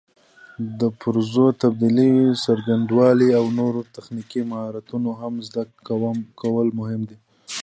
د پرزو تبدیلولو څرنګوالي او نور تخنیکي مهارتونه هم زده کول مهم دي.